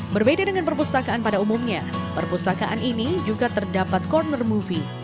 berbeda dengan perpustakaan pada umumnya perpustakaan ini juga terdapat corner movie